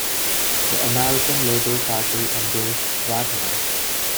The American Labor party endorsed Wagner.